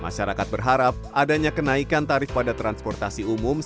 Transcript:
masyarakat berharap adanya kenaikan tarif pada transportasi di jakarta